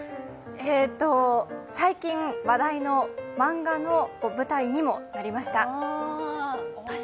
最近話題の漫画の舞台にもなりました。